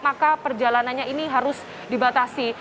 maka perjalanannya ini harus dibatasi